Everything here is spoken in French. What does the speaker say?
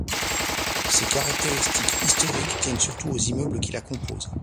Ses caractéristiques historiques tiennent surtout aux immeubles qui la composent.